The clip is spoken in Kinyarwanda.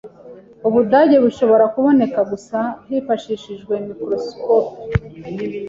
Ubudage bushobora kuboneka gusa hifashishijwe microscope.